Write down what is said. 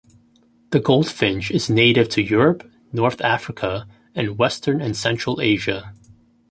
The goldfinch is native to Europe, North Africa, and western and central Asia.